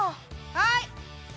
はい。